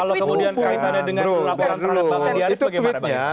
kalau kemudian kaitannya dengan laporan terhadap bapak diyarif bagaimana